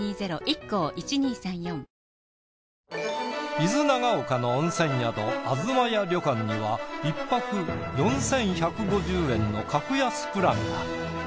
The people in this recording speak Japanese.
伊豆長岡の温泉宿あづまや旅館には１泊４，１５０円の格安プランが。